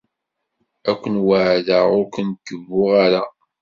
Ad ken-weɛdeɣ ur ken-kebbuɣ ara.